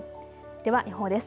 では予報です。